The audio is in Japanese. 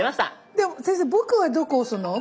先生僕はどこ押すの？